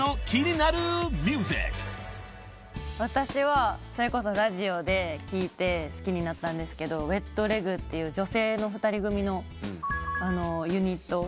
私はそれこそラジオで聴いて好きになったんですけどＷｅｔＬｅｇっていう女性の２人組のユニット。